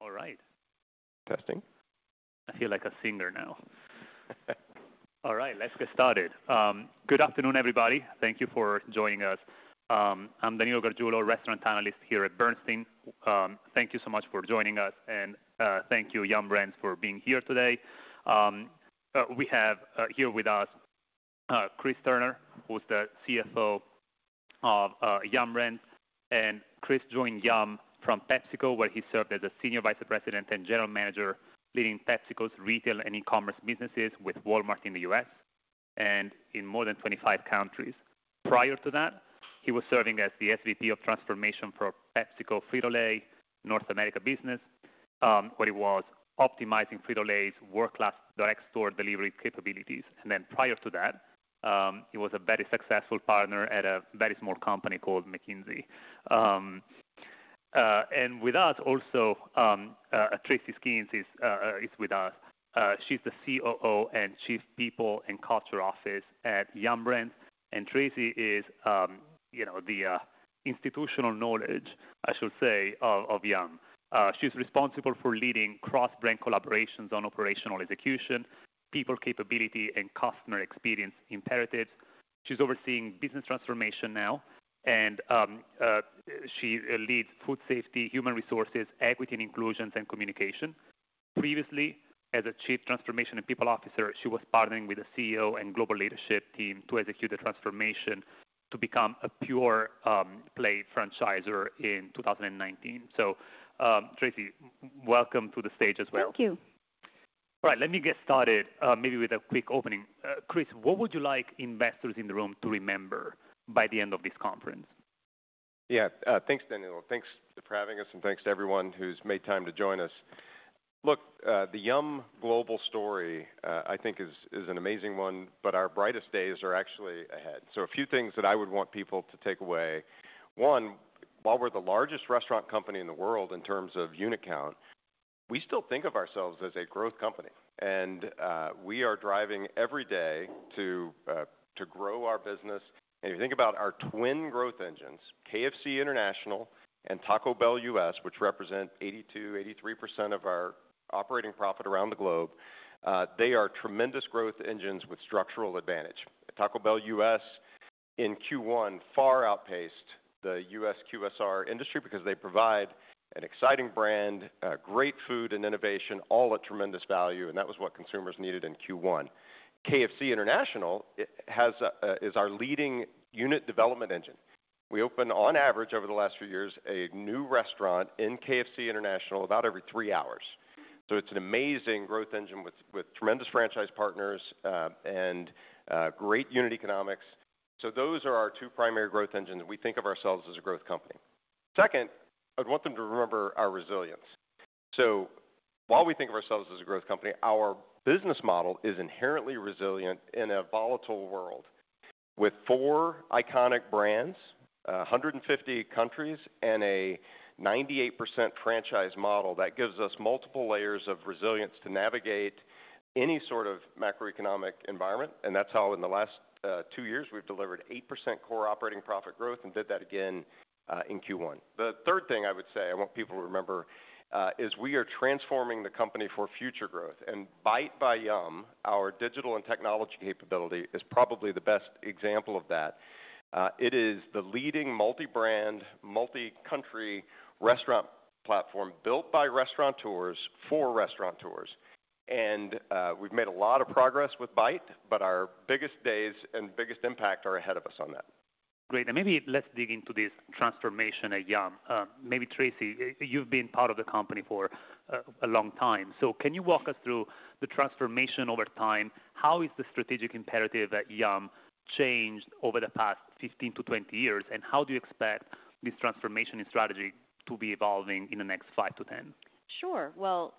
All right. Testing. I feel like a singer now. All right, let's get started. Good afternoon, everybody. Thank you for joining us. I'm Danilo Gargiulo, restaurant analyst here at Bernstein. Thank you so much for joining us, and thank you, Yum! Brands, for being here today. We have here with us Chris Turner, who's the CFO of Yum! Brands, and Chris joined Yum! from PepsiCo, where he served as a Senior Vice President and General Manager leading PepsiCo's retail and e-commerce businesses with Walmart in the U.S. and in more than 25 countries. Prior to that, he was serving as the SVP of Transformation for PepsiCo Frito-Lay North America business, where he was optimizing Frito-Lay's world-class direct store delivery capabilities. Prior to that, he was a very successful partner at a very small company called McKinsey. With us also, Tracy Skeans is with us. She's the COO and Chief People and Culture Officer at Yum! Brands, and Tracy is, you know, the institutional knowledge, I should say, of Yum!. She's responsible for leading cross-brand collaborations on operational execution, people capability, and customer experience imperatives. She's overseeing business transformation now, and she leads food safety, human resources, equity and inclusion, and communication. Previously, as a Chief Transformation and People Officer, she was partnering with the CEO and global leadership team to execute the transformation to become a pure play franchisor in 2019. Tracy, welcome to the stage as well. Thank you. All right, let me get started, maybe with a quick opening. Chris, what would you like investors in the room to remember by the end of this conference? Yeah, thanks, Danilo. Thanks for having us, and thanks to everyone who's made time to join us. Look, the Yum! global story, I think, is an amazing one, but our brightest days are actually ahead. A few things that I would want people to take away. One, while we're the largest restaurant company in the world in terms of unit count, we still think of ourselves as a growth company. We are driving every day to grow our business. If you think about our twin growth engines, KFC International and Taco Bell U.S., which represent 82%-83% of our operating profit around the globe, they are tremendous growth engines with structural advantage. Taco Bell U.S. in Q1 far outpaced the U.S. QSR industry because they provide an exciting brand, great food and innovation, all at tremendous value, and that was what consumers needed in Q1. KFC International is our leading unit development engine. We opened, on average, over the last few years, a new restaurant in KFC International about every three hours. It is an amazing growth engine with tremendous franchise partners and great unit economics. Those are our two primary growth engines. We think of ourselves as a growth company. Second, I would want them to remember our resilience. While we think of ourselves as a growth company, our business model is inherently resilient in a volatile world with four iconic brands, 150 countries, and a 98% franchise model that gives us multiple layers of resilience to navigate any sort of macroeconomic environment. That is how, in the last two years, we have delivered 8% core operating profit growth and did that again in Q1. The third thing I would say I want people to remember is we are transforming the company for future growth. Bite by Yum, our digital and technology capability, is probably the best example of that. It is the leading multi-brand, multi-country restaurant platform built by restaurateurs for restaurateurs. We have made a lot of progress with Bite, but our biggest days and biggest impact are ahead of us on that. Great. Maybe let's dig into this transformation at Yum. Maybe Tracy, you've been part of the company for a long time. Can you walk us through the transformation over time? How has the strategic imperative at Yum! changed over the past 15 to 20 years, and how do you expect this transformation in strategy to be evolving in the next 5 to 10? Sure.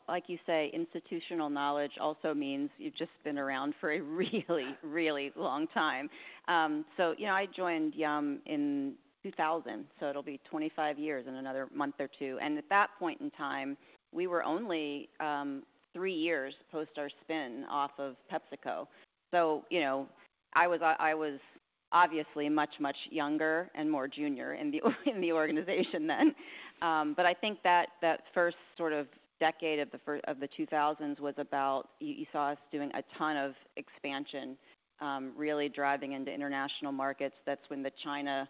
Like you say, institutional knowledge also means you've just been around for a really, really long time. You know, I joined Yum! in 2000, so it'll be 25 years in another month or two. At that point in time, we were only three years post our spin off of PepsiCo. You know, I was obviously much, much younger and more junior in the organization then. I think that that first sort of decade of the 2000s was about, you saw us doing a ton of expansion, really driving into international markets. That's when the China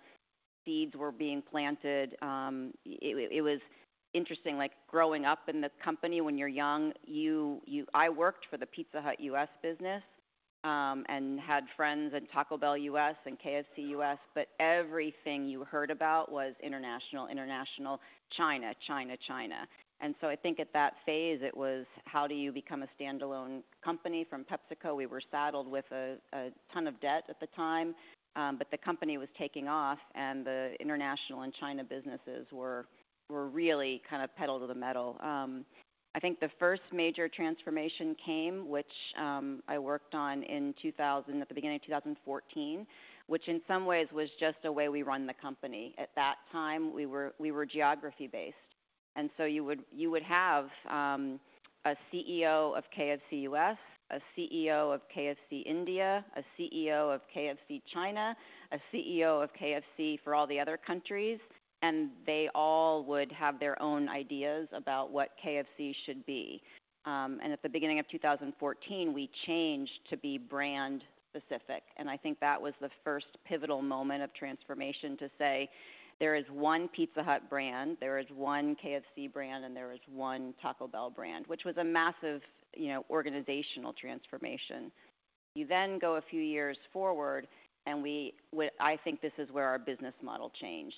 seeds were being planted. It was interesting, like growing up in the company, when you're young, you, I worked for the Pizza Hut U.S. business, and had friends at Taco Bell U.S. and KFC U.S., but everything you heard about was international, international, China, China, China. I think at that phase, it was, how do you become a standalone company from PepsiCo? We were saddled with a ton of debt at the time, but the company was taking off, and the international and China businesses were really kind of pedal to the metal. I think the first major transformation came, which I worked on in 2000, at the beginning of 2014, which in some ways was just a way we run the company. At that time, we were geography-based. You would have a CEO of KFC U.S., a CEO of KFC India, a CEO of KFC China, a CEO of KFC for all the other countries, and they all would have their own ideas about what KFC should be. At the beginning of 2014, we changed to be brand specific. I think that was the first pivotal moment of transformation to say, there is one Pizza Hut brand, there is one KFC brand, and there is one Taco Bell brand, which was a massive, you know, organizational transformation. You then go a few years forward, and we would, I think this is where our business model changed.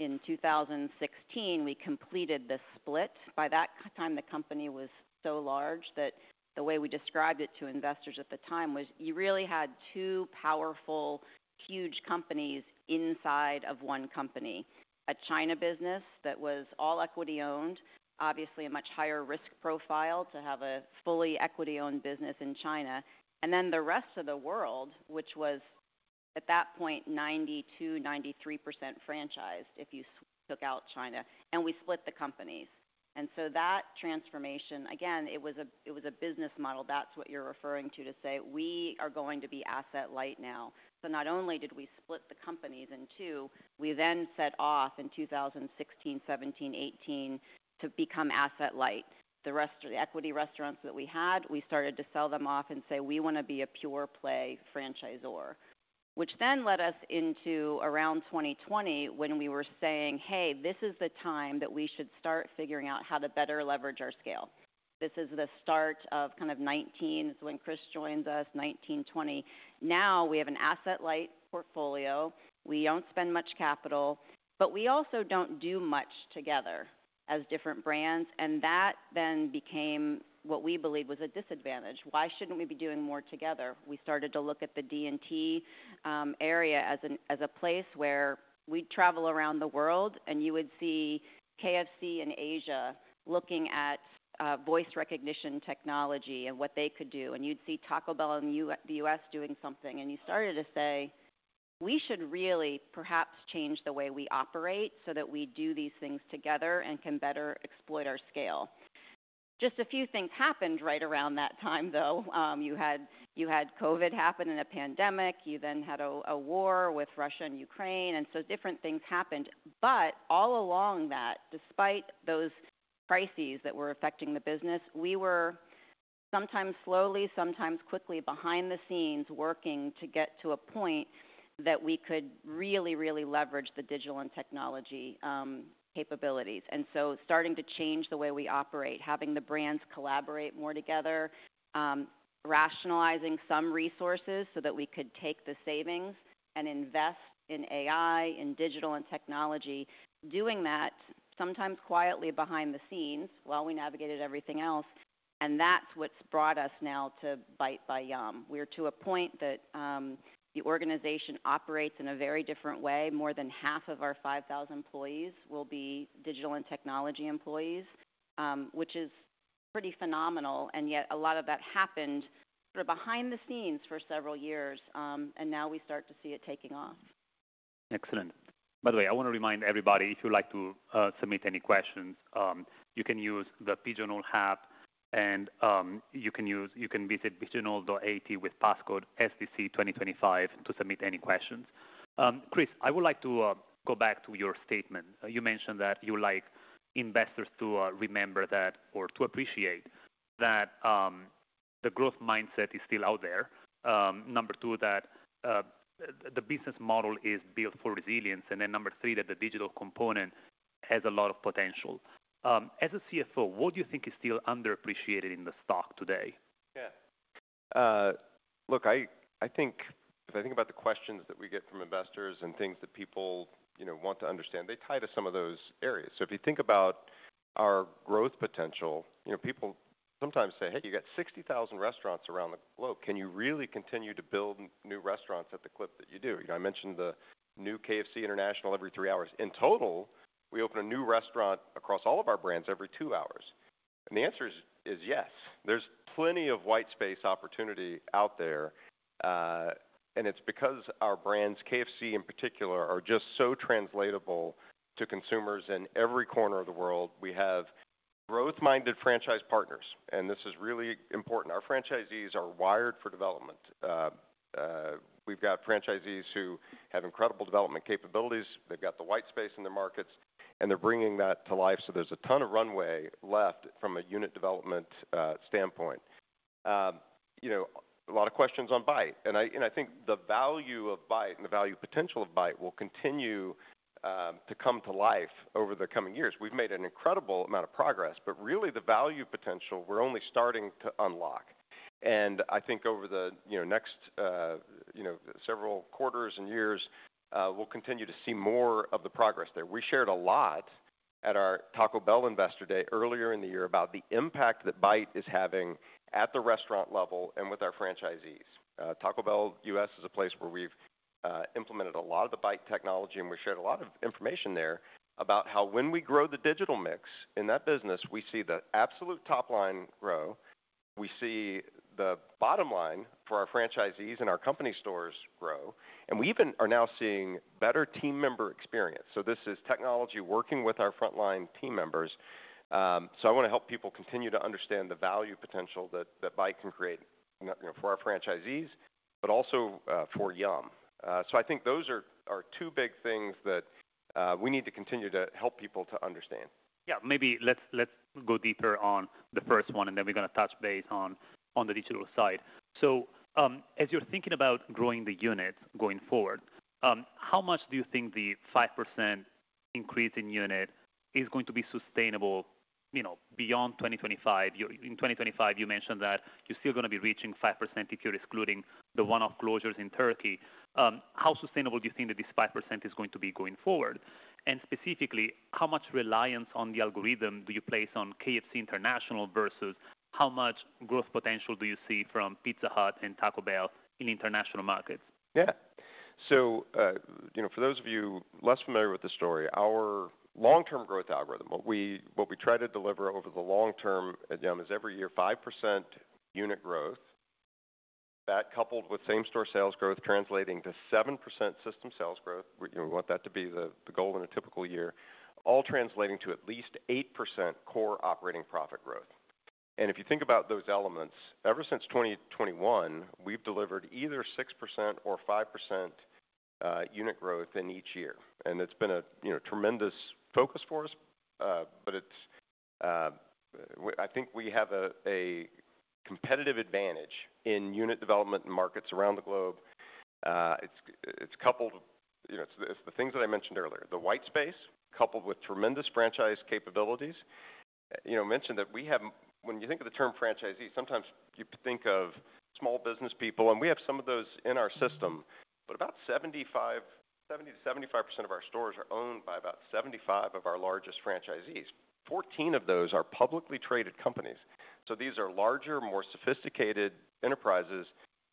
In 2016, we completed the split. By that time, the company was so large that the way we described it to investors at the time was, you really had two powerful, huge companies inside of one company: a China business that was all equity-owned, obviously a much higher risk profile to have a fully equity-owned business in China, and then the rest of the world, which was at that point 92%-93% franchised if you took out China. We split the companies. That transformation, again, it was a business model. That's what you're referring to, to say, we are going to be asset light now. Not only did we split the companies in two, we then set off in 2016, 2017, 2018 to become asset light. The rest of the equity restaurants that we had, we started to sell them off and say, we want to be a pure play franchisor, which then led us into around 2020 when we were saying, hey, this is the time that we should start figuring out how to better leverage our scale. This is the start of kind of 2019 is when Chris joins us, 2019, 2020. Now we have an asset light portfolio. We do not spend much capital, but we also do not do much together as different brands. That then became what we believed was a disadvantage. Why should we not be doing more together? We started to look at the D&T area as a place where we would travel around the world, and you would see KFC in Asia looking at voice recognition technology and what they could do. You would see Taco Bell in the U.S. doing something. You started to say, we should really perhaps change the way we operate so that we do these things together and can better exploit our scale. Just a few things happened right around that time, though. You had COVID happen in a pandemic. You then had a war with Russia and Ukraine. Different things happened. All along that, despite those crises that were affecting the business, we were sometimes slowly, sometimes quickly behind the scenes working to get to a point that we could really, really leverage the digital and technology capabilities. Starting to change the way we operate, having the brands collaborate more together, rationalizing some resources so that we could take the savings and invest in AI, in digital and technology, doing that sometimes quietly behind the scenes while we navigated everything else. That is what has brought us now to Bite by Yum. We are to a point that the organization operates in a very different way. More than half of our 5,000 employees will be digital and technology employees, which is pretty phenomenal. Yet a lot of that happened sort of behind the scenes for several years, and now we start to see it taking off. Excellent. By the way, I want to remind everybody, if you'd like to, submit any questions, you can use the Pigeonhole app, and you can visit pigeonhole.at with passcode SDC2025 to submit any questions. Chris, I would like to go back to your statement. You mentioned that you like investors to remember that or to appreciate that the growth mindset is still out there. Number two, that the business model is built for resilience. And then number three, that the digital component has a lot of potential. As a CFO, what do you think is still underappreciated in the stock today? Yeah. Look, I think, if I think about the questions that we get from investors and things that people, you know, want to understand, they tie to some of those areas. If you think about our growth potential, you know, people sometimes say, hey, you got 60,000 restaurants around the globe. Can you really continue to build new restaurants at the clip that you do? I mentioned the new KFC International every three hours. In total, we open a new restaurant across all of our brands every two hours. The answer is yes. There's plenty of white space opportunity out there, and it's because our brands, KFC in particular, are just so translatable to consumers in every corner of the world. We have growth-minded franchise partners, and this is really important. Our franchisees are wired for development. We've got franchisees who have incredible development capabilities. They've got the white space in their markets, and they're bringing that to life. So there's a ton of runway left from a unit development standpoint. You know, a lot of questions on Bite. And I, and I think the value of Bite and the value potential of Bite will continue to come to life over the coming years. We've made an incredible amount of progress, but really the value potential, we're only starting to unlock. And I think over the, you know, next, you know, several quarters and years, we'll continue to see more of the progress there. We shared a lot at our Taco Bell Investor Day earlier in the year about the impact that Bite is having at the restaurant level and with our franchisees. Taco Bell U.S. is a place where we've implemented a lot of the Bite technology, and we shared a lot of information there about how when we grow the digital mix in that business, we see the absolute top line grow. We see the bottom line for our franchisees and our company stores grow. We even are now seeing better team member experience. This is technology working with our frontline team members. I want to help people continue to understand the value potential that Bite can create, you know, for our franchisees, but also for Yum. I think those are two big things that we need to continue to help people to understand. Yeah. Maybe let's, let's go deeper on the first one, and then we're going to touch base on, on the digital side. As you're thinking about growing the units going forward, how much do you think the 5% increase in unit is going to be sustainable, you know, beyond 2025? You're in 2025, you mentioned that you're still going to be reaching 5% if you're excluding the one-off closures in Turkey. How sustainable do you think that this 5% is going to be going forward? And specifically, how much reliance on the algorithm do you place on KFC International versus how much growth potential do you see from Pizza Hut and Taco Bell in international markets? Yeah. So, you know, for those of you less familiar with the story, our long-term growth algorithm, what we, what we try to deliver over the long term at Yum! is every year 5% unit growth, that coupled with same-store sales growth, translating to 7% system sales growth. We, you know, we want that to be the, the goal in a typical year, all translating to at least 8% core operating profit growth. If you think about those elements, ever since 2021, we've delivered either 6% or 5% unit growth in each year. It's been a, you know, tremendous focus for us. I think we have a competitive advantage in unit development markets around the globe. It's the things that I mentioned earlier, the white space coupled with tremendous franchise capabilities. You know, I mentioned that we have, when you think of the term franchisee, sometimes you think of small business people, and we have some of those in our system. But about 70%-75% of our stores are owned by about 75 of our largest franchisees. Fourteen of those are publicly traded companies. These are larger, more sophisticated enterprises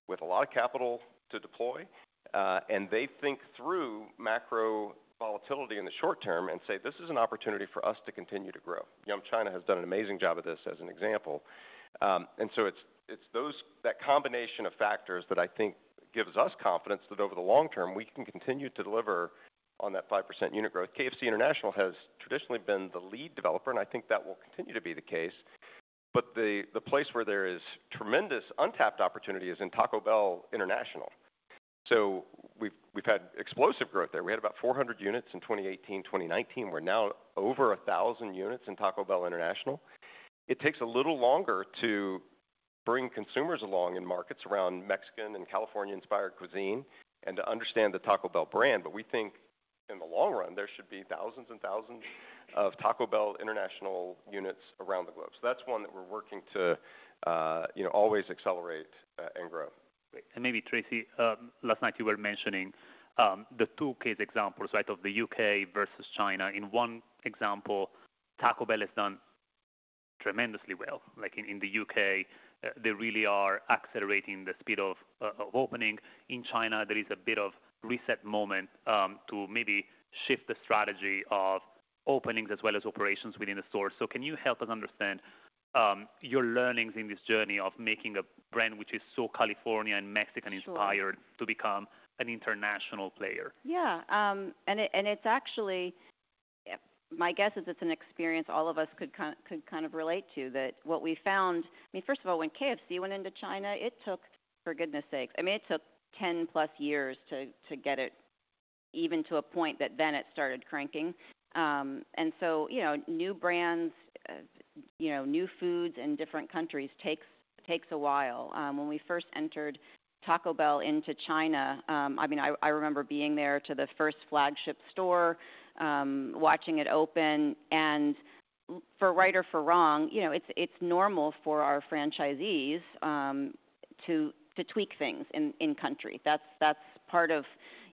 with a lot of capital to deploy. They think through macro volatility in the short term and say, this is an opportunity for us to continue to grow. Yum! China has done an amazing job of this as an example. It is that combination of factors that I think gives us confidence that over the long term, we can continue to deliver on that 5% unit growth. KFC International has traditionally been the lead developer, and I think that will continue to be the case. The place where there is tremendous untapped opportunity is in Taco Bell International. We have had explosive growth there. We had about 400 units in 2018, 2019. We are now over 1,000 units in Taco Bell International. It takes a little longer to bring consumers along in markets around Mexican and California-inspired cuisine and to understand the Taco Bell brand. We think in the long run, there should be thousands and thousands of Taco Bell International units around the globe. That is one that we are working to, you know, always accelerate and grow. Great. Tracy, last night you were mentioning the two case examples, right, of the U.K. versus China. In one example, Taco Bell has done tremendously well. Like in the U.K., they really are accelerating the speed of opening. In China, there is a bit of a reset moment to maybe shift the strategy of openings as well as operations within the store. Can you help us understand your learnings in this journey of making a brand, which is so California and Mexican inspired, to become an international player? Yeah, and it's actually, my guess is it's an experience all of us could kind of relate to that what we found. I mean, first of all, when KFC went into China, it took, for goodness sakes, I mean, it took 10 plus years to get it even to a point that then it started cranking. You know, new brands, new foods in different countries takes a while. When we first entered Taco Bell into China, I mean, I remember being there to the first flagship store, watching it open. For right or for wrong, you know, it's normal for our franchisees to tweak things in country. That's part of,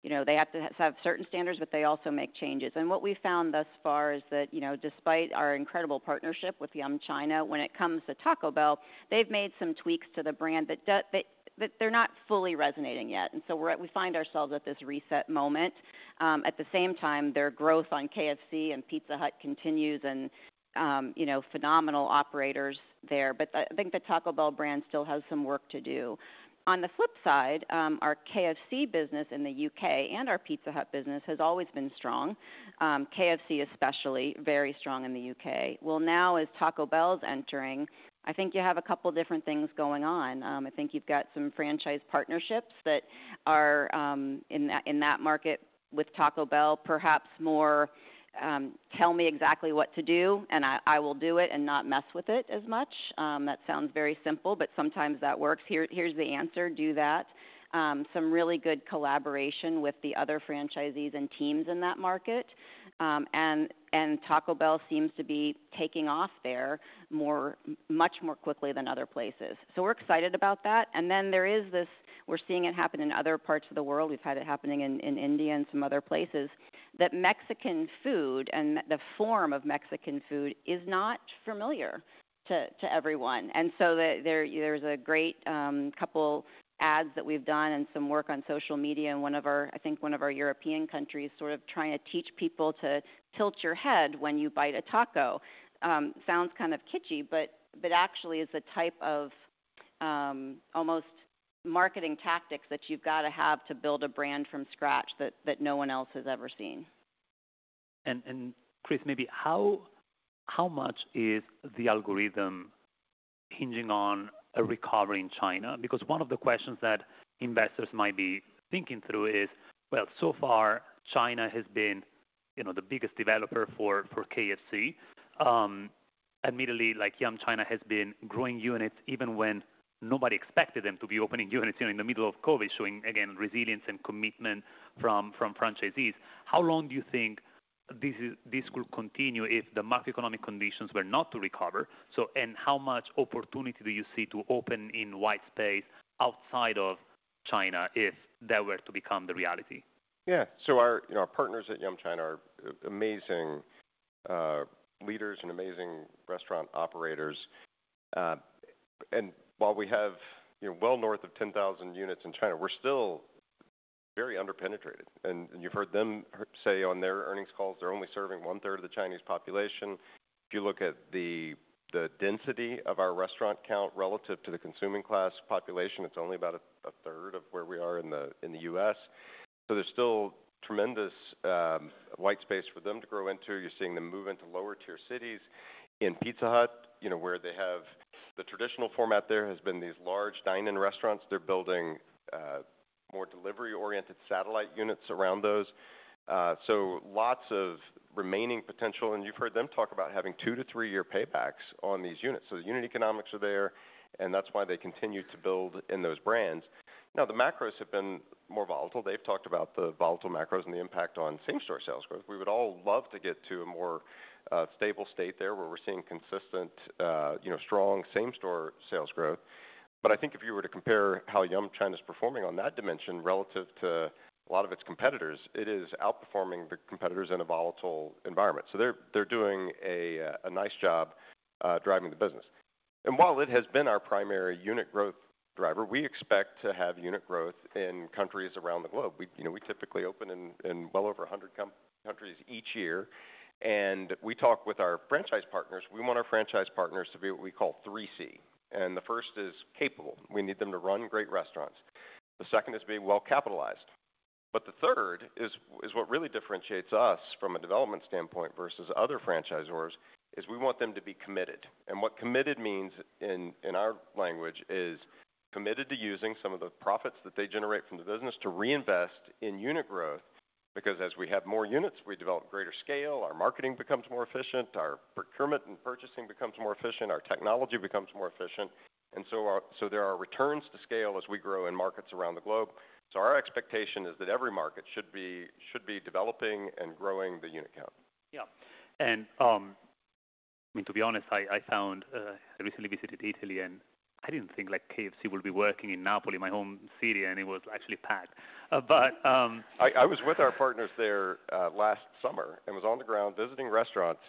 you know, they have to have certain standards, but they also make changes. What we found thus far is that, you know, despite our incredible partnership with Yum! China, when it comes to Taco Bell, they've made some tweaks to the brand that do, that, that they're not fully resonating yet. We find ourselves at this reset moment. At the same time, their growth on KFC and Pizza Hut continues and, you know, phenomenal operators there. I think the Taco Bell brand still has some work to do. On the flip side, our KFC business in the U.K. and our Pizza Hut business has always been strong. KFC especially very strong in the U.K. Now as Taco Bell's entering, I think you have a couple different things going on. I think you've got some franchise partnerships that are, in that, in that market with Taco Bell, perhaps more, tell me exactly what to do and I will do it and not mess with it as much. That sounds very simple, but sometimes that works. Here, here's the answer. Do that. Some really good collaboration with the other franchisees and teams in that market, and Taco Bell seems to be taking off there much more quickly than other places. We are excited about that. There is this, we are seeing it happen in other parts of the world. We have had it happening in India and some other places that Mexican food and the form of Mexican food is not familiar to everyone. There are a great couple ads that we've done and some work on social media in one of our, I think one of our European countries, sort of trying to teach people to tilt your head when you bite a taco. Sounds kind of kitschy, but actually is a type of, almost marketing tactics that you've got to have to build a brand from scratch that no one else has ever seen. Chris, maybe how much is the algorithm hinging on a recovery in China? Because one of the questions that investors might be thinking through is, you know, so far China has been, you know, the biggest developer for KFC. Admittedly, like Yum! China has been growing units even when nobody expected them to be opening units, you know, in the middle of COVID, showing again, resilience and commitment from franchisees. How long do you think this could continue if the macroeconomic conditions were not to recover? How much opportunity do you see to open in white space outside of China if that were to become the reality? Yeah. So our, you know, our partners at Yum! China are amazing leaders and amazing restaurant operators. And while we have, you know, well north of 10,000 units in China, we're still very under-penetrated. And you've heard them say on their earnings calls, they're only serving one third of the Chinese population. If you look at the, the density of our restaurant count relative to the consuming class population, it's only about a third of where we are in the U.S.. So there's still tremendous white space for them to grow into. You're seeing them move into lower tier cities in Pizza Hut, you know, where they have the traditional format there has been these large dine-in restaurants. They're building more delivery-oriented satellite units around those. So lots of remaining potential. And you've heard them talk about having two to three-year paybacks on these units. The unit economics are there, and that's why they continue to build in those brands. Now, the macros have been more volatile. They've talked about the volatile macros and the impact on same-store sales growth. We would all love to get to a more stable state there where we're seeing consistent, you know, strong same-store sales growth. I think if you were to compare how Yum! China's performing on that dimension relative to a lot of its competitors, it is outperforming the competitors in a volatile environment. They're doing a nice job, driving the business. While it has been our primary unit growth driver, we expect to have unit growth in countries around the globe. We, you know, we typically open in well over 100 countries each year. We talk with our franchise partners. We want our franchise partners to be what we call three C. The first is capable. We need them to run great restaurants. The second is being well capitalized. The third is what really differentiates us from a development standpoint versus other franchisors is we want them to be committed. What committed means in our language is committed to using some of the profits that they generate from the business to reinvest in unit growth. As we have more units, we develop greater scale, our marketing becomes more efficient, our procurement and purchasing becomes more efficient, our technology becomes more efficient. There are returns to scale as we grow in markets around the globe. Our expectation is that every market should be developing and growing the unit count. Yeah. I mean, to be honest, I found, I recently visited Italy and I did not think like KFC would be working in Napoli, my home city, and it was actually packed. I was with our partners there last summer and was on the ground visiting restaurants.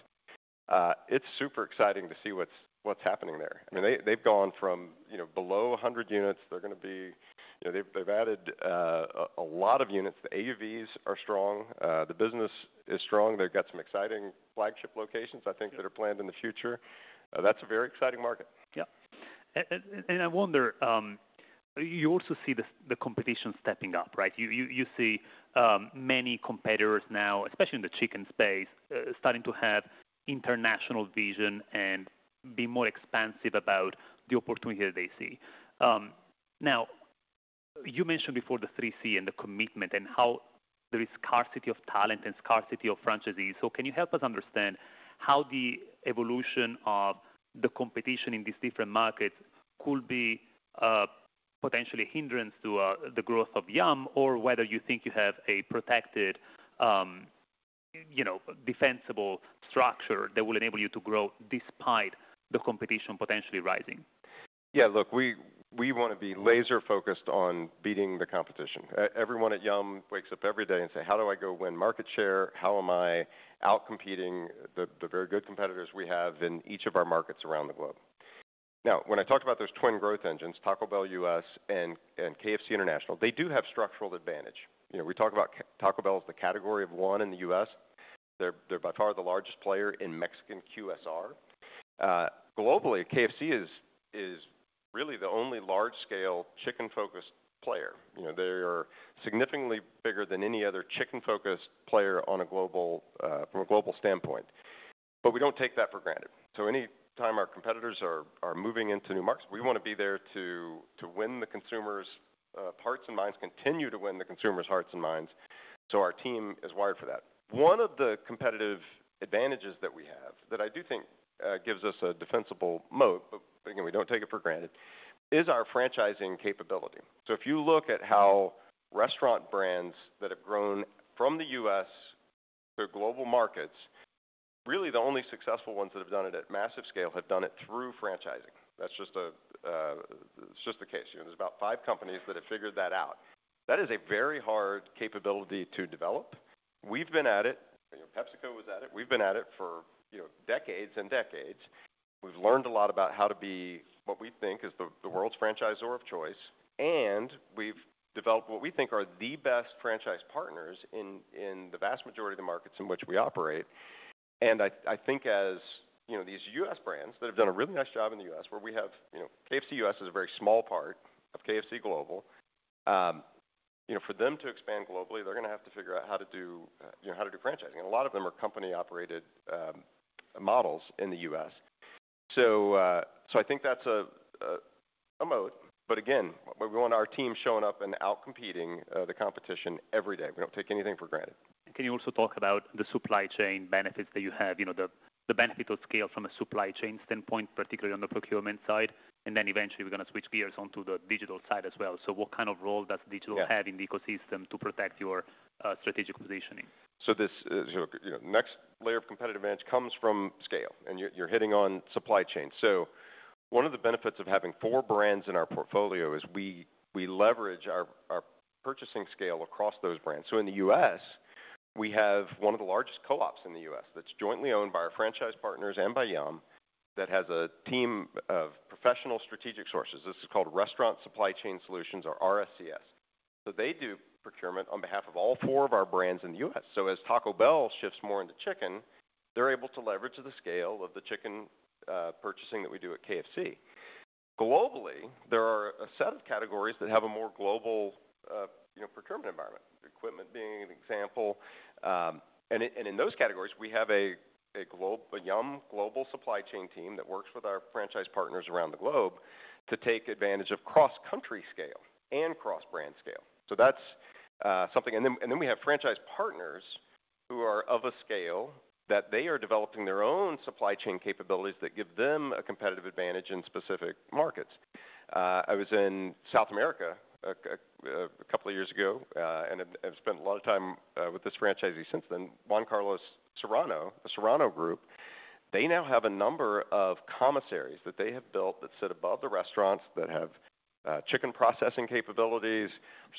It's super exciting to see what's happening there. I mean, they've gone from below 100 units. They're going to be, you know, they've added a lot of units. The AUVs are strong. The business is strong. They've got some exciting flagship locations, I think, that are planned in the future. That's a very exciting market. Yeah. I wonder, you also see the competition stepping up, right? You see many competitors now, especially in the chicken space, starting to have international vision and be more expansive about the opportunity that they see. Now you mentioned before the three C and the commitment and how there is scarcity of talent and scarcity of franchisees. So can you help us understand how the evolution of the competition in these different markets could be potentially a hindrance to the growth of Yum! or whether you think you have a protected, you know, defensible structure that will enable you to grow despite the competition potentially rising? Yeah. Look, we want to be laser-focused on beating the competition. Everyone at Yum! wakes up every day and says, how do I go win market share? How am I outcompeting the very good competitors we have in each of our markets around the globe? Now, when I talked about those twin growth engines, Taco Bell U.S. and KFC International, they do have structural advantage. You know, we talk about Taco Bell as the category of one in the U.S.. They're by far the largest player in Mexican QSR. Globally, KFC is really the only large-scale chicken-focused player. You know, they are significantly bigger than any other chicken-focused player from a global standpoint. We do not take that for granted. Anytime our competitors are moving into new markets, we want to be there to win the consumer's hearts and minds, continue to win the consumer's hearts and minds. Our team is wired for that. One of the competitive advantages that we have that I do think gives us a defensible moat, but again, we do not take it for granted, is our franchising capability. If you look at how restaurant brands that have grown from the U.S. to global markets, really the only successful ones that have done it at massive scale have done it through franchising. That is just the case. You know, there are about five companies that have figured that out. That is a very hard capability to develop. We have been at it. You know, PepsiCo was at it. We have been at it for decades and decades. We've learned a lot about how to be what we think is the, the world's franchisor of choice. And we've developed what we think are the best franchise partners in, in the vast majority of the markets in which we operate. I think as, you know, these U.S. brands that have done a really nice job in the U.S., where we have, you know, KFC U.S. is a very small part of KFC Global. You know, for them to expand globally, they're going to have to figure out how to do, you know, how to do franchising. A lot of them are company-operated models in the U.S.. I think that's a moat. Again, we want our team showing up and outcompeting the competition every day. We don't take anything for granted. Can you also talk about the supply chain benefits that you have, you know, the benefit of scale from a supply chain standpoint, particularly on the procurement side? Eventually we're going to switch gears onto the digital side as well. What kind of role does digital have in the ecosystem to protect your strategic positioning? This, you know, next layer of competitive advantage comes from scale and you're, you're hitting on supply chain. One of the benefits of having four brands in our portfolio is we leverage our purchasing scale across those brands. In the U.S., we have one of the largest co-ops in the U.S. that's jointly owned by our franchise partners and by Yum! that has a team of professional strategic sources. This is called Restaurant Supply Chain Solutions, or RSCS. They do procurement on behalf of all four of our brands in the U.S.. As Taco Bell shifts more into chicken, they're able to leverage the scale of the chicken purchasing that we do at KFC. Globally, there are a set of categories that have a more global, you know, procurement environment, equipment being an example. In those categories, we have a Yum! global supply chain team that works with our franchise partners around the globe to take advantage of cross-country scale and cross-brand scale. That is something. We have franchise partners who are of a scale that they are developing their own supply chain capabilities that give them a competitive advantage in specific markets. I was in South America a couple of years ago, and I have spent a lot of time with this franchisee since then. Juan Carlos Serrano, the Serrano Group, now have a number of commissaries that they have built that sit above the restaurants that have chicken processing capabilities,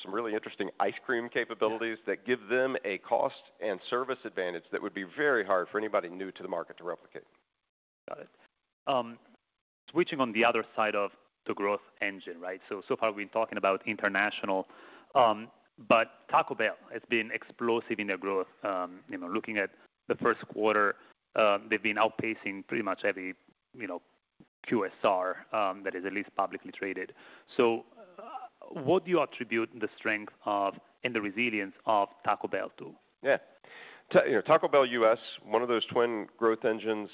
some really interesting ice cream capabilities that give them a cost and service advantage that would be very hard for anybody new to the market to replicate. Got it. Switching on the other side of the growth engine, right? So far we've been talking about international, but Taco Bell has been explosive in their growth. You know, looking at the first quarter, they've been outpacing pretty much every, you know, QSR, that is at least publicly traded. What do you attribute the strength of and the resilience of Taco Bell to? Yeah. You know, Taco Bell U.S., one of those twin growth engines,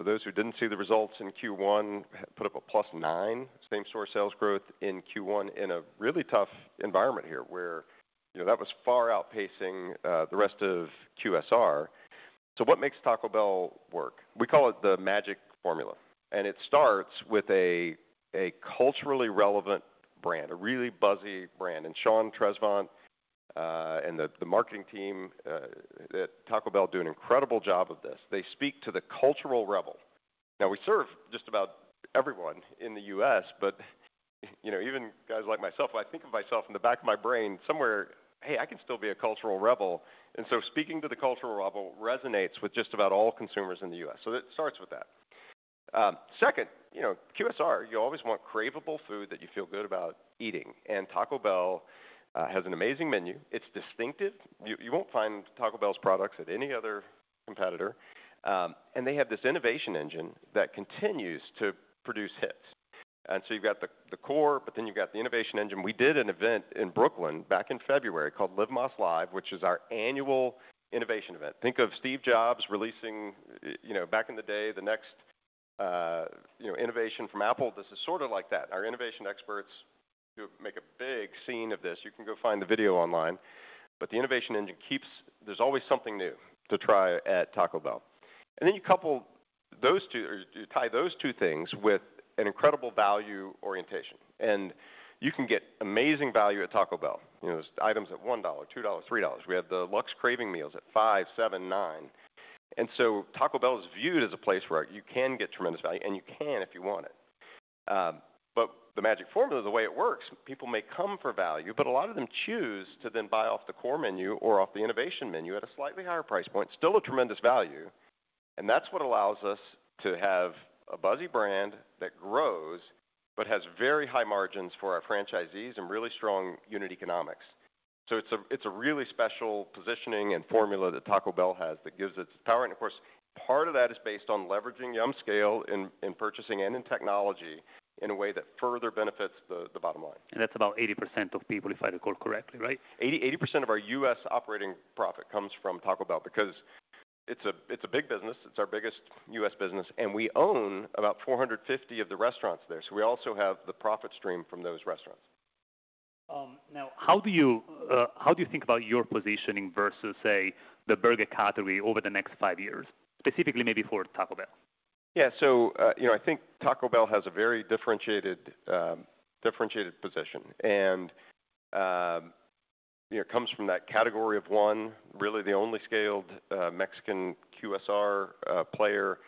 for those who did not see the results in Q1, put up a +9% same-store sales growth in Q1 in a really tough environment here where, you know, that was far outpacing the rest of QSR. What makes Taco Bell work? We call it the magic formula. It starts with a culturally relevant brand, a really buzzy brand. Sean Tresvant and the marketing team at Taco Bell do an incredible job of this. They speak to the cultural rebel. Now we serve just about everyone in the U.S., but, you know, even guys like myself, I think of myself in the back of my brain somewhere, hey, I can still be a cultural rebel. Speaking to the cultural rebel resonates with just about all consumers in the U.S.. It starts with that. Second, you know, QSR, you always want craveable food that you feel good about eating. And Taco Bell has an amazing menu. It's distinctive. You, you won't find Taco Bell's products at any other competitor. And they have this innovation engine that continues to produce hits. You have the core, but then you have the innovation engine. We did an event in Brooklyn back in February called Live Más Live, which is our annual innovation event. Think of Steve Jobs releasing, you know, back in the day, the next, you know, innovation from Apple. This is sort of like that. Our innovation experts do make a big scene of this. You can go find the video online. The innovation engine keeps, there's always something new to try at Taco Bell. You couple those two, or you tie those two things with an incredible value orientation. You can get amazing value at Taco Bell. You know, items at $1, $2, $3. We have the Luxe Craving Meals at $5, $7, $9. Taco Bell is viewed as a place where you can get tremendous value and you can if you want it. The magic formula, the way it works, people may come for value, but a lot of them choose to then buy off the core menu or off the innovation menu at a slightly higher price point, still a tremendous value. That is what allows us to have a buzzy brand that grows, but has very high margins for our franchisees and really strong unit economics. It is a really special positioning and formula that Taco Bell has that gives its power. Part of that is based on leveraging Yum! scale in purchasing and in technology in a way that further benefits the bottom line. That's about 80% of people, if I recall correctly, right? 80, 80% of our U.S. operating profit comes from Taco Bell because it's a, it's a big business. It's our biggest U.S. business. And we own about 450 of the restaurants there. So we also have the profit stream from those restaurants. Now how do you, how do you think about your positioning versus, say, the burger category over the next five years, specifically maybe for Taco Bell? Yeah. You know, I think Taco Bell has a very differentiated position. You know, it comes from that category of one, really the only scaled Mexican QSR player.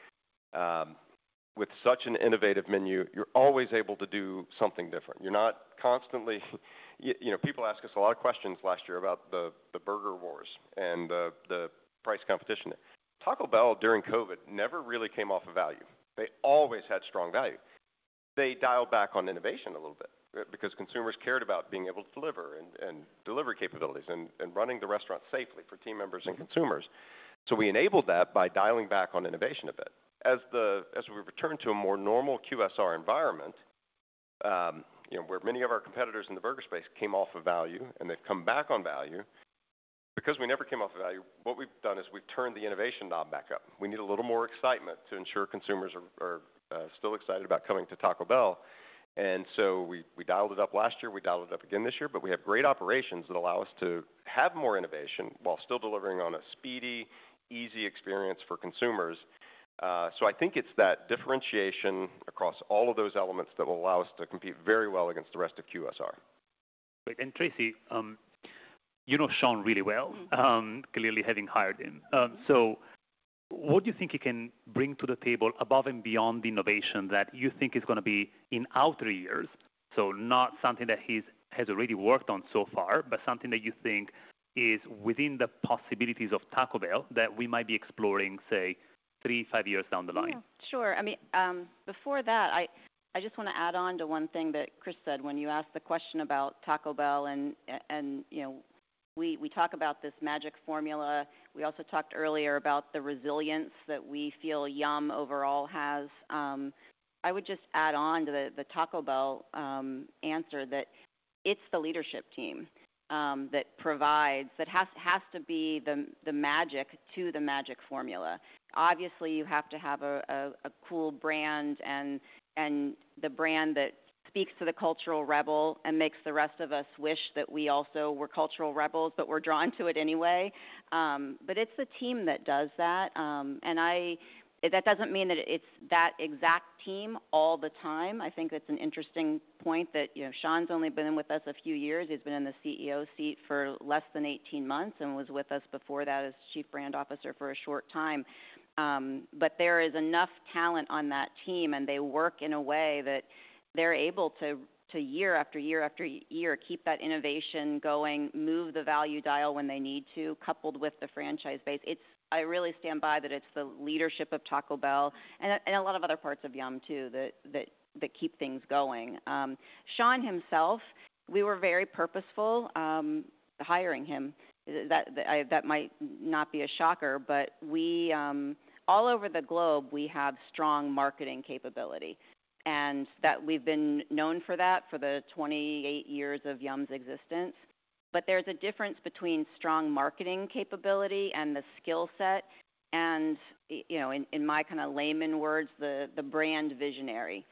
With such an innovative menu, you're always able to do something different. You're not constantly, you know, people ask us a lot of questions last year about the burger wars and the price competition. Taco Bell during COVID never really came off of value. They always had strong value. They dialed back on innovation a little bit because consumers cared about being able to deliver and delivery capabilities and running the restaurant safely for team members and consumers. We enabled that by dialing back on innovation a bit. As we returned to a more normal QSR environment, you know, where many of our competitors in the burger space came off of value and they have come back on value, because we never came off of value, what we have done is we have turned the innovation knob back up. We need a little more excitement to ensure consumers are still excited about coming to Taco Bell. We dialed it up last year. We dialed it up again this year, but we have great operations that allow us to have more innovation while still delivering on a speedy, easy experience for consumers. I think it is that differentiation across all of those elements that will allow us to compete very well against the rest of QSR. Tracy, you know Sean really well, clearly having hired him. What do you think he can bring to the table above and beyond the innovation that you think is going to be in outer years? Not something that he has already worked on so far, but something that you think is within the possibilities of Taco Bell that we might be exploring, say, three, five years down the line? Sure. I mean, before that, I just want to add on to one thing that Chris said when you asked the question about Taco Bell and, you know, we talk about this magic formula. We also talked earlier about the resilience that we feel Yum! overall has. I would just add on to the Taco Bell answer that it's the leadership team that provides, that has to be the magic to the magic formula. Obviously, you have to have a cool brand and the brand that speaks to the cultural rebel and makes the rest of us wish that we also were cultural rebels, but we're drawn to it anyway. It's the team that does that. I, that doesn't mean that it's that exact team all the time. I think that's an interesting point that, you know, Sean's only been with us a few years. He's been in the CEO seat for less than 18 months and was with us before that as Chief Brand Officer for a short time. There is enough talent on that team and they work in a way that they're able to, year after year after year, keep that innovation going, move the value dial when they need to, coupled with the franchise base. I really stand by that it's the leadership of Taco Bell and a lot of other parts of Yum! too that keep things going. Sean himself, we were very purposeful, hiring him. That might not be a shocker, but we, all over the globe, we have strong marketing capability and that we've been known for that for the 28 years of Yum!'s existence. There's a difference between strong marketing capability and the skillset and, you know, in my kind of layman words, the brand visionary,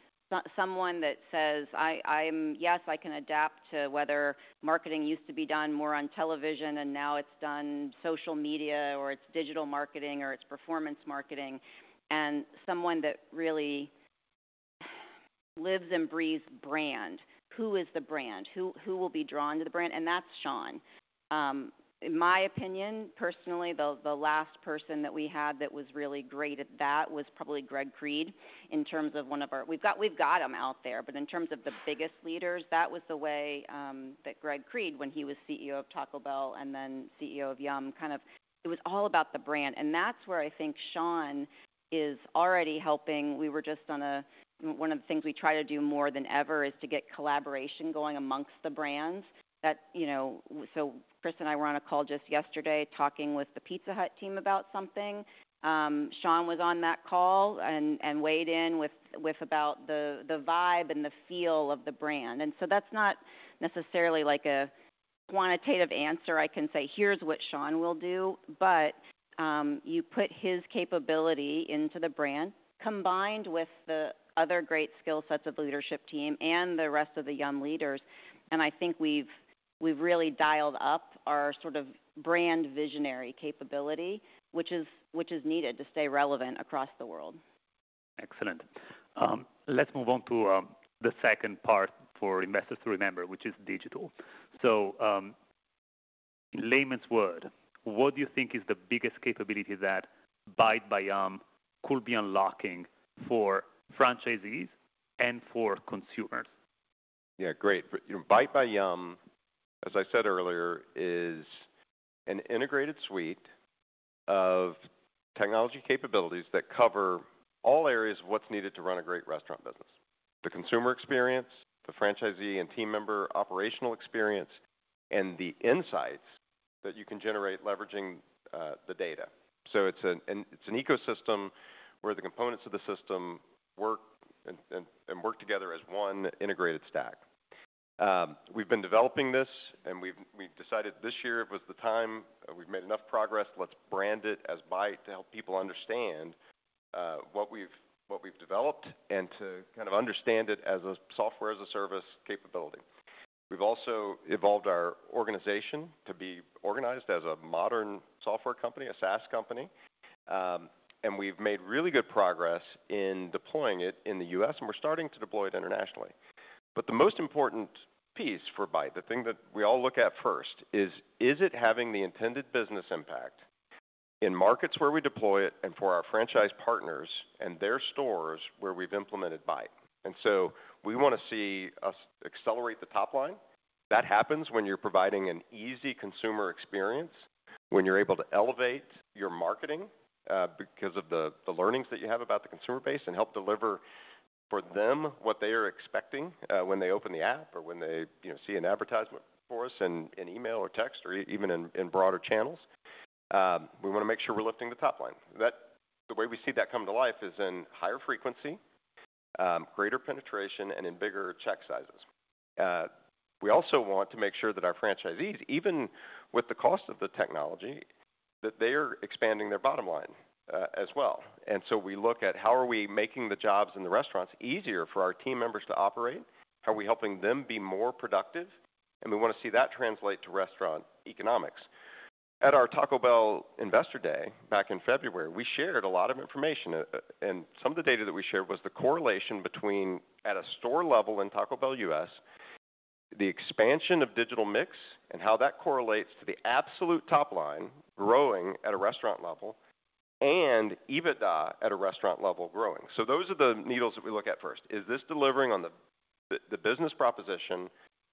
someone that says, I am, yes, I can adapt to whether marketing used to be done more on television and now it's done social media or it's digital marketing or it's performance marketing. Someone that really lives and breathes brand, who is the brand, who will be drawn to the brand? That's Sean. In my opinion, personally, the last person that we had that was really great at that was probably Greg Creed in terms of one of our, we've got them out there, but in terms of the biggest leaders, that was the way that Greg Creed, when he was CEO of Taco Bell and then CEO of Yum! Brands, kind of, it was all about the brand. That's where I think Sean is already helping. We were just on a, one of the things we try to do more than ever is to get collaboration going amongst the brands that, you know, so Chris and I were on a call just yesterday talking with the Pizza Hut team about something. Sean was on that call and weighed in with about the vibe and the feel of the brand. That is not necessarily like a quantitative answer. I can say, here is what Sean will do, but you put his capability into the brand combined with the other great skillsets of the leadership team and the rest of the Yum! leaders. I think we have really dialed up our sort of brand visionary capability, which is needed to stay relevant across the world. Excellent. Let's move on to the second part for investors to remember, which is digital. In layman's word, what do you think is the biggest capability that Bite by Yum! could be unlocking for franchisees and for consumers? Yeah, great. You know, Bite by Yum!, as I said earlier, is an integrated suite of technology capabilities that cover all areas of what's needed to run a great restaurant business, the consumer experience, the franchisee and team member operational experience, and the insights that you can generate leveraging the data. So it's an ecosystem where the components of the system work and work together as one integrated stack. We've been developing this and we've decided this year it was the time, we've made enough progress, let's brand it as Bite to help people understand what we've developed and to kind of understand it as a software as a service capability. We've also evolved our organization to be organized as a modern software company, a SaaS company. we've made really good progress in deploying it in the U.S. and we're starting to deploy it internationally. The most important piece for Bite, the thing that we all look at first is, is it having the intended business impact in markets where we deploy it and for our franchise partners and their stores where we've implemented Bite? We want to see us accelerate the top line. That happens when you're providing an easy consumer experience, when you're able to elevate your marketing because of the learnings that you have about the consumer base and help deliver for them what they are expecting when they open the app or when they, you know, see an advertisement for us in email or text or even in broader channels. We want to make sure we're lifting the top line. That, the way we see that come to life is in higher frequency, greater penetration, and in bigger check sizes. We also want to make sure that our franchisees, even with the cost of the technology, that they are expanding their bottom line, as well. We look at how are we making the jobs in the restaurants easier for our team members to operate? How are we helping them be more productive? We want to see that translate to restaurant economics. At our Taco Bell Investor Day back in February, we shared a lot of information and some of the data that we shared was the correlation between at a store level in Taco Bell U.S., the expansion of digital mix and how that correlates to the absolute top line growing at a restaurant level and EBITDA at a restaurant level growing. Those are the needles that we look at first. Is this delivering on the business proposition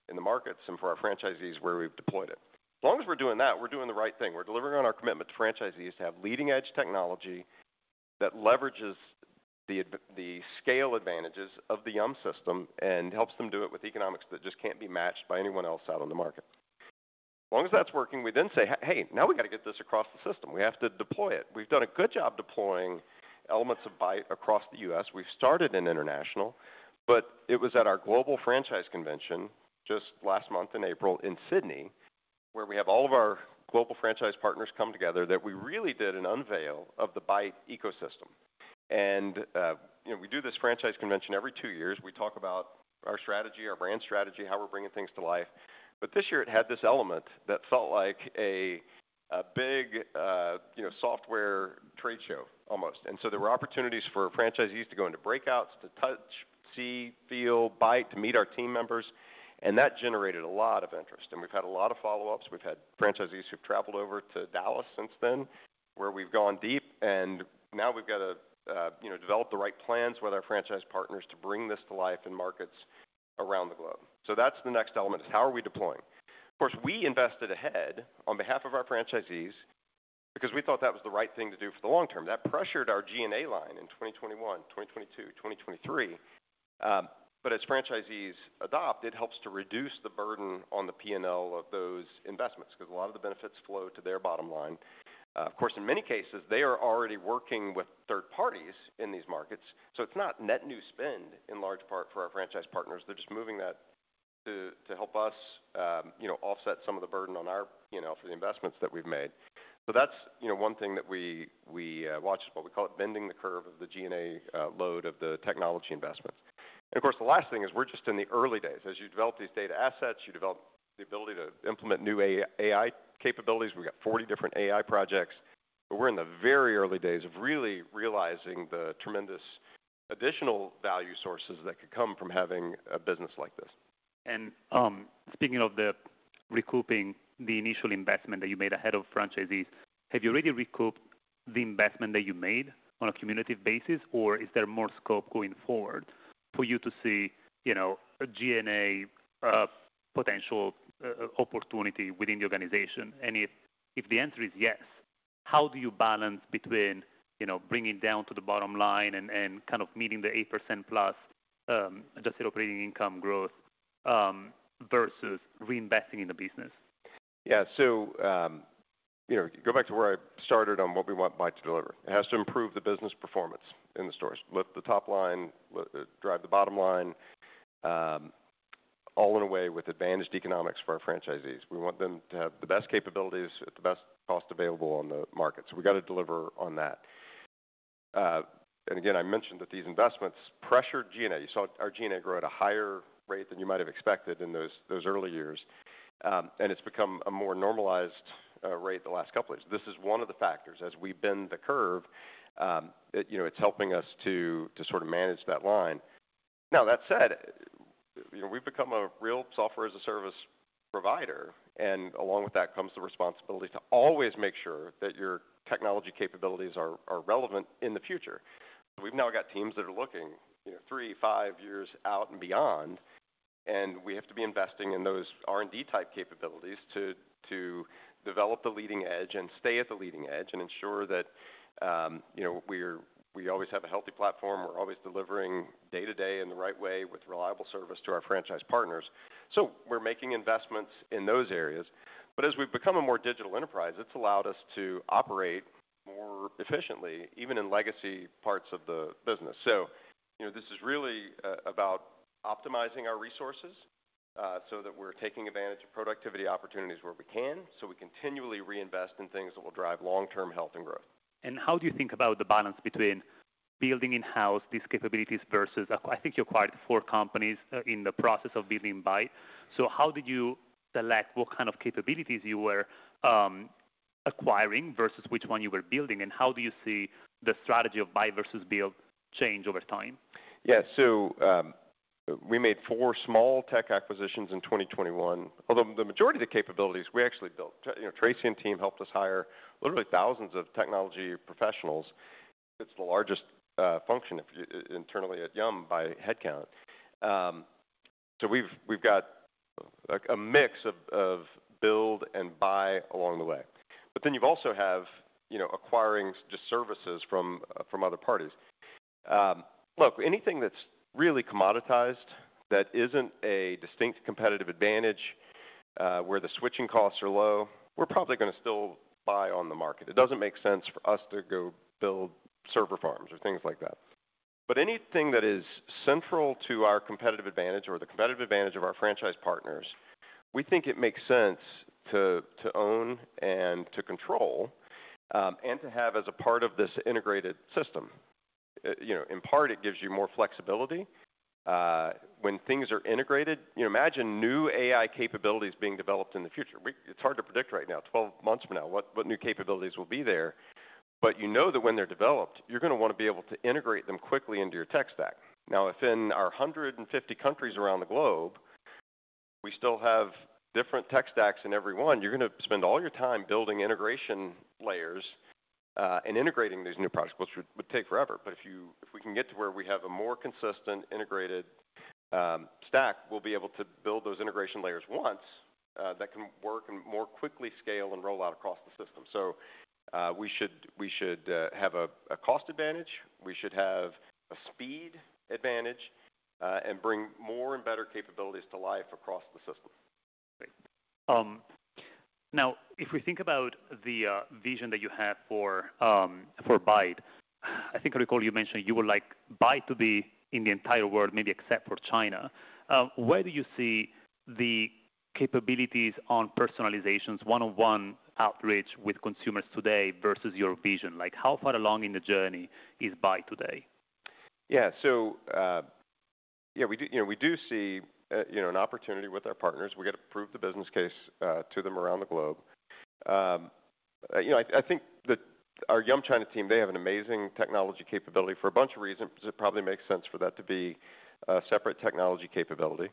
in the markets and for our franchisees where we've deployed it? As long as we're doing that, we're doing the right thing. We're delivering on our commitment to franchisees to have leading edge technology that leverages the scale advantages of the Yum! system and helps them do it with economics that just can't be matched by anyone else out on the market. As long as that's working, we then say, hey, now we got to get this across the system. We have to deploy it. We've done a good job deploying elements of Bite across the U.S.. We've started in international, but it was at our global franchise convention just last month in April in Sydney, where we have all of our global franchise partners come together that we really did an unveil of the Bite ecosystem. You know, we do this franchise convention every two years. We talk about our strategy, our brand strategy, how we're bringing things to life. This year it had this element that felt like a big, you know, software trade show almost. There were opportunities for franchisees to go into breakouts, to touch, see, feel, Bite, to meet our team members. That generated a lot of interest. We've had a lot of follow-ups. We've had franchisees who've traveled over to Dallas since then where we've gone deep and now we've got to, you know, develop the right plans with our franchise partners to bring this to life in markets around the globe. That is the next element, how are we deploying? Of course, we invested ahead on behalf of our franchisees because we thought that was the right thing to do for the long term. That pressured our G&A line in 2021, 2022, 2023. As franchisees adopt, it helps to reduce the burden on the P&L of those investments because a lot of the benefits flow to their bottom line. Of course, in many cases, they are already working with third parties in these markets. It is not net new spend in large part for our franchise partners. They're just moving that to help us, you know, offset some of the burden on our, you know, for the investments that we've made. That's, you know, one thing that we watch is what we call it bending the curve of the G&A load of the technology investments. Of course, the last thing is we're just in the early days. As you develop these data assets, you develop the ability to implement new AI capabilities. We've got 40 different AI projects, but we're in the very early days of really realizing the tremendous additional value sources that could come from having a business like this. Speaking of recouping the initial investment that you made ahead of franchisees, have you already recouped the investment that you made on a cumulative basis or is there more scope going forward for you to see, you know, a G&A, potential, opportunity within the organization? If the answer is yes, how do you balance between, you know, bringing down to the bottom line and kind of meeting the 8% plus adjusted operating income growth, versus reinvesting in the business? Yeah. You know, go back to where I started on what we want Bite to deliver. It has to improve the business performance in the stores, lift the top line, drive the bottom line, all in a way with advantaged economics for our franchisees. We want them to have the best capabilities at the best cost available on the market. We got to deliver on that. I mentioned that these investments pressured G&A. You saw our G&A grow at a higher rate than you might have expected in those early years. It has become a more normalized rate the last couple of years. This is one of the factors as we bend the curve that is helping us to sort of manage that line. That said, we have become a real software as a service provider. Along with that comes the responsibility to always make sure that your technology capabilities are relevant in the future. We have now got teams that are looking, you know, three, five years out and beyond, and we have to be investing in those R&D type capabilities to develop the leading edge and stay at the leading edge and ensure that, you know, we always have a healthy platform. We are always delivering day to day in the right way with reliable service to our franchise partners. We are making investments in those areas. As we have become a more digital enterprise, it has allowed us to operate more efficiently, even in legacy parts of the business. You know, this is really about optimizing our resources, so that we're taking advantage of productivity opportunities where we can, so we continually reinvest in things that will drive long-term health and growth. How do you think about the balance between building in-house these capabilities versus, I think you acquired four companies in the process of building Bite? How did you select what kind of capabilities you were acquiring versus which one you were building? How do you see the strategy of Bite versus Build change over time? Yeah. We made four small tech acquisitions in 2021, although the majority of the capabilities we actually built, you know, Tracy and team helped us hire literally thousands of technology professionals. It is the largest function internally at Yum! by headcount. We have got a mix of build and buy along the way. Then you also have acquiring just services from other parties. Look, anything that is really commoditized that is not a distinct competitive advantage, where the switching costs are low, we are probably going to still buy on the market. It does not make sense for us to go build server farms or things like that. Anything that is central to our competitive advantage or the competitive advantage of our franchise partners, we think it makes sense to own and to control, and to have as a part of this integrated system. You know, in part, it gives you more flexibility. When things are integrated, you know, imagine new AI capabilities being developed in the future. It's hard to predict right now, 12 months from now, what new capabilities will be there. But you know that when they're developed, you're going to want to be able to integrate them quickly into your tech stack. Now, if in our 150 countries around the globe, we still have different tech stacks in every one, you're going to spend all your time building integration layers, and integrating these new products, which would take forever. If we can get to where we have a more consistent, integrated stack, we'll be able to build those integration layers once, that can work and more quickly scale and roll out across the system. We should have a cost advantage. We should have a speed advantage, and bring more and better capabilities to life across the system. Great. Now if we think about the vision that you have for Bite, I think I recall you mentioned you would like Bite to be in the entire world, maybe except for China. Where do you see the capabilities on personalizations, one-on-one outreach with consumers today versus your vision? Like how far along in the journey is Bite today? Yeah. Yeah, we do, you know, we do see, you know, an opportunity with our partners. We got to prove the business case to them around the globe. You know, I think that our Yum! China team, they have an amazing technology capability for a bunch of reasons. It probably makes sense for that to be a separate technology capability,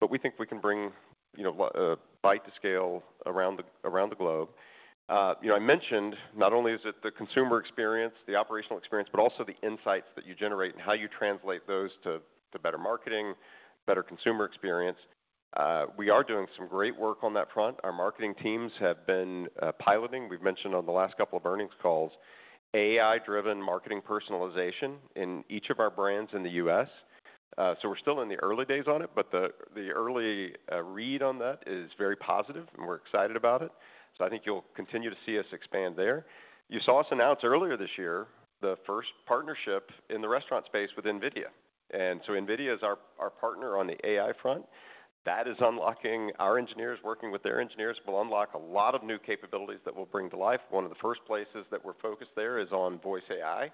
but we think we can bring, you know, Bite to scale around the globe. You know, I mentioned not only is it the consumer experience, the operational experience, but also the insights that you generate and how you translate those to better marketing, better consumer experience. We are doing some great work on that front. Our marketing teams have been piloting. We've mentioned on the last couple of earnings calls, AI-driven marketing personalization in each of our brands in the U.S.. We're still in the early days on it, but the early read on that is very positive and we're excited about it. I think you'll continue to see us expand there. You saw us announce earlier this year the first partnership in the restaurant space with NVIDIA. NVIDIA is our partner on the AI front. That is unlocking our engineers working with their engineers will unlock a lot of new capabilities that we'll bring to life. One of the first places that we're focused there is on voice AI.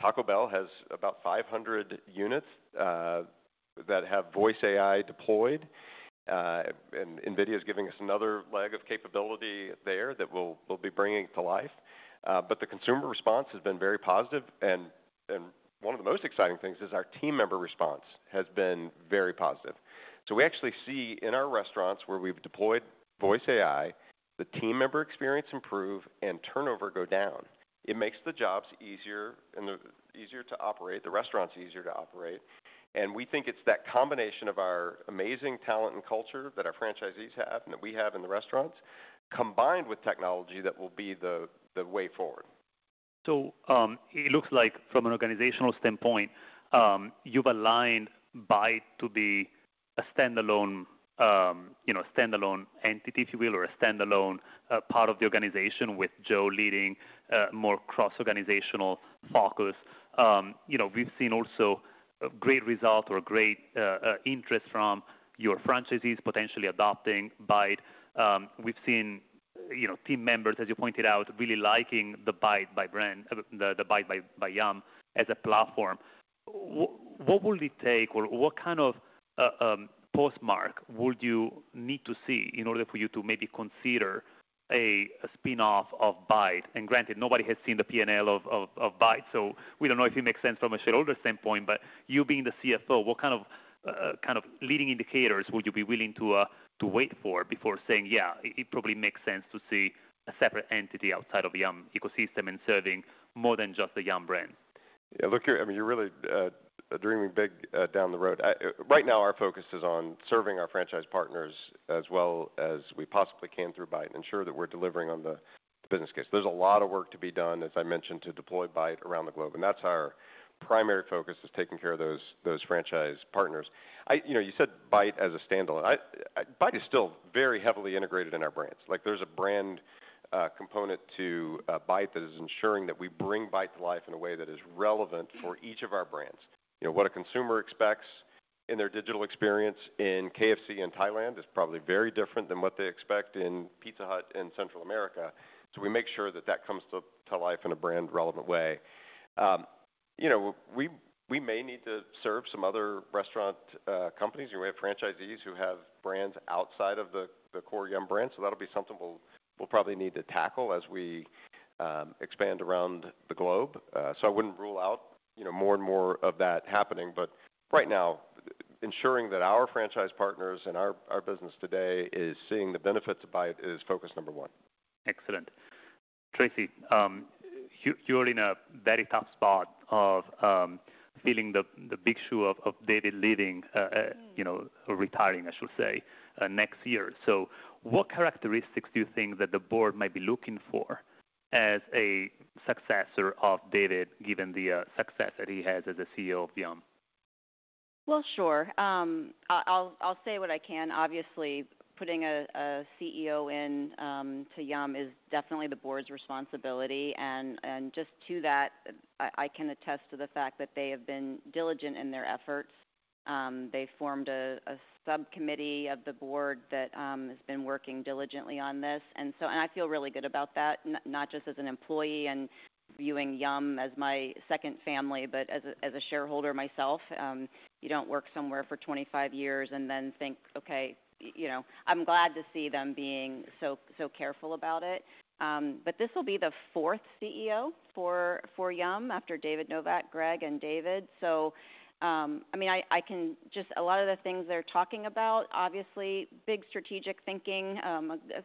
Taco Bell has about 500 units that have voice AI deployed. NVIDIA is giving us another leg of capability there that we'll be bringing to life. The consumer response has been very positive. One of the most exciting things is our team member response has been very positive. We actually see in our restaurants where we've deployed voice AI, the team member experience improves and turnover goes down. It makes the jobs easier and easier to operate. The restaurant's easier to operate. We think it's that combination of our amazing talent and culture that our franchisees have and that we have in the restaurants combined with technology that will be the way forward. It looks like from an organizational standpoint, you've aligned Bite to be a standalone, you know, a standalone entity, if you will, or a standalone part of the organization with Joe leading, more cross-organizational focus. You know, we've seen also a great result or a great interest from your franchisees potentially adopting Bite. We've seen, you know, team members, as you pointed out, really liking the Bite by brand, the Bite by Yum! as a platform. What will it take or what kind of postmark would you need to see in order for you to maybe consider a spinoff of Bite? And granted, nobody has seen the P&L of Bite. We do not know if it makes sense from a shareholder standpoint, but you being the CFO, what kind of leading indicators would you be willing to wait for before saying, yeah, it probably makes sense to see a separate entity outside of the Yum! ecosystem and serving more than just the Yum! brand? Yeah. Look, you're, I mean, you're really dreaming big, down the road. Right now our focus is on serving our franchise partners as well as we possibly can through Bite and ensure that we're delivering on the business case. There's a lot of work to be done, as I mentioned, to deploy Bite around the globe. That's our primary focus, is taking care of those franchise partners. I, you know, you said Bite as a standalone. I, Bite is still very heavily integrated in our brands. Like there's a brand component to Bite that is ensuring that we bring Bite to life in a way that is relevant for each of our brands. You know, what a consumer expects in their digital experience in KFC in Thailand is probably very different than what they expect in Pizza Hut in Central America. We make sure that that comes to life in a brand relevant way. You know, we may need to serve some other restaurant companies. You know, we have franchisees who have brands outside of the core Yum! brand. That will be something we will probably need to tackle as we expand around the globe. I would not rule out more and more of that happening, but right now ensuring that our franchise partners and our business today is seeing the benefits of Bite is focus number one. Excellent. Tracy, you're in a very tough spot of feeling the big shoe of David leaving, you know, retiring, I should say, next year. So what characteristics do you think that the board might be looking for as a successor of David, given the success that he has as a CEO of Yum!? I'll say what I can. Obviously, putting a CEO in to Yum! is definitely the board's responsibility. I can attest to the fact that they have been diligent in their efforts. They formed a subcommittee of the board that has been working diligently on this. I feel really good about that, not just as an employee and viewing Yum! as my second family, but as a shareholder myself. You don't work somewhere for 25 years and then think, okay, you know, I'm glad to see them being so careful about it. This will be the fourth CEO for Yum! after David Novak, Greg, and David. I mean, I can just, a lot of the things they're talking about, obviously big strategic thinking,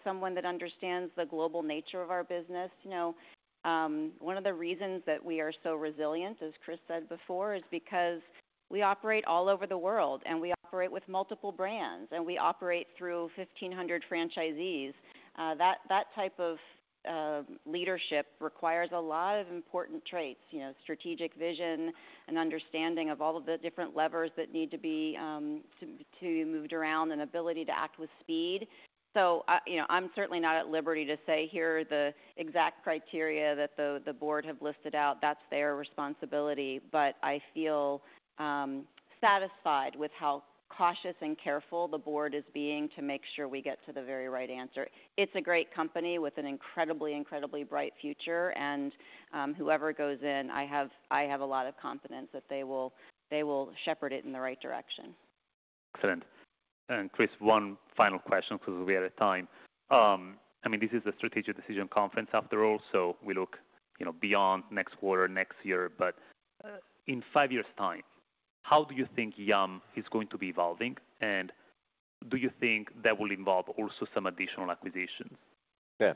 someone that understands the global nature of our business, you know, one of the reasons that we are so resilient, as Chris said before, is because we operate all over the world and we operate with multiple brands and we operate through 1,500 franchisees. That type of leadership requires a lot of important traits, you know, strategic vision and understanding of all of the different levers that need to be moved around and ability to act with speed. You know, I'm certainly not at liberty to say here are the exact criteria that the board have listed out. That's their responsibility. I feel satisfied with how cautious and careful the board is being to make sure we get to the very right answer. It's a great company with an incredibly, incredibly bright future. Whoever goes in, I have a lot of confidence that they will shepherd it in the right direction. Excellent. Chris, one final question 'cause we are at time. I mean, this is a strategic decision conference after all. We look, you know, beyond next quarter, next year, but in five years' time, how do you think Yum! is going to be evolving? Do you think that will involve also some additional acquisitions? Yeah.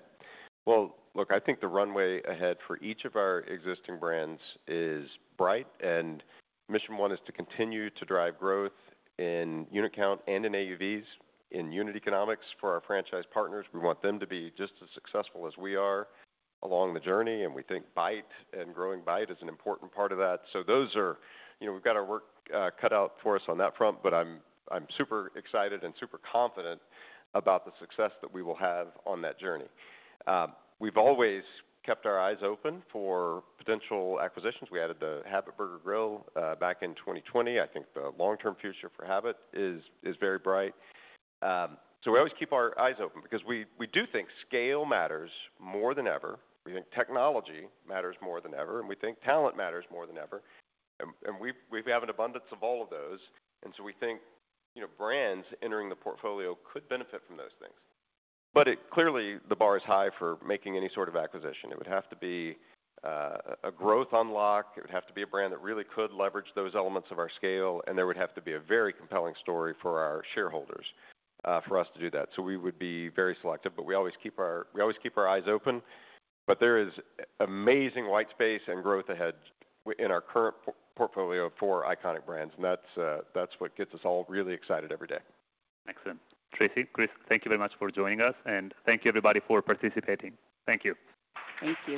I think the runway ahead for each of our existing brands is bright. Mission one is to continue to drive growth in unit count and in AUVs in unit economics for our franchise partners. We want them to be just as successful as we are along the journey. We think Bite and growing Bite is an important part of that. We have our work cut out for us on that front, but I am super excited and super confident about the success that we will have on that journey. We have always kept our eyes open for potential acquisitions. We added the Habit Burger Grill back in 2020. I think the long-term future for Habit is very bright. We always keep our eyes open because we do think scale matters more than ever. We think technology matters more than ever. We think talent matters more than ever. We have an abundance of all of those. We think, you know, brands entering the portfolio could benefit from those things. It clearly, the bar is high for making any sort of acquisition. It would have to be a growth unlock. It would have to be a brand that really could leverage those elements of our scale. There would have to be a very compelling story for our shareholders, for us to do that. We would be very selective, but we always keep our eyes open. There is amazing white space and growth ahead in our current portfolio for iconic brands. That is what gets us all really excited every day. Excellent. Tracy, Chris, thank you very much for joining us. Thank you, everybody, for participating. Thank you. Thank you.